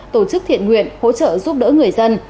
tổ chức thiện nguyện hỗ trợ giúp đỡ người dân